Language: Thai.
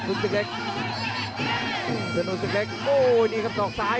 กระโดยสิ้งเล็กนี่ออกกันขาสันเหมือนกันครับ